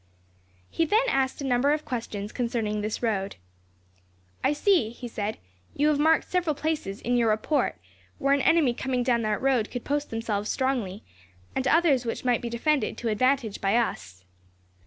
He then asked a number of questions concerning this road. "I see," he said, "you have marked several places, in your report, where an enemy coming down that road could post themselves strongly, and others which might be defended to advantage by us."